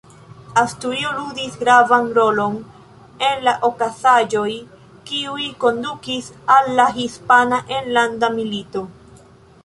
Asturio ludis gravan rolon en la okazaĵoj, kiuj kondukis al la Hispana Enlanda Milito.